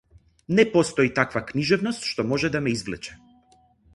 Не постои таква книжевност што може да ме извлече.